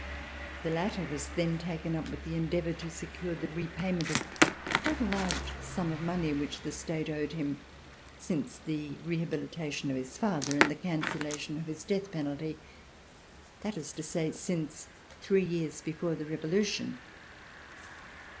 The latter was then taken up with the endeavor to secure the repayment of quite a large sum of money which the State owed him since the rehabilitation of his father and the cancellation of his death penalty, that is to say, since three years before the Revolution.